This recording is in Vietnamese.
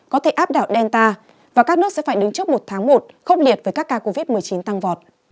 có thể áp đảo delta và các nước sẽ phải đứng trước một tháng một khốc liệt với các ca covid một mươi chín tăng vọt